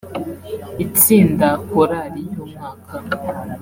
Itsinda/Korali y’umwaka